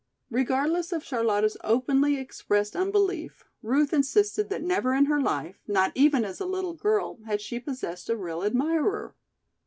Regardless of Charlotta's openly expressed unbelief, Ruth insisted that never in her life, not even as a little girl, had she possessed a real admirer.